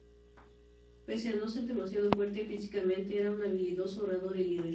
Pese a no ser demasiado fuerte físicamente, era un habilidoso orador y líder.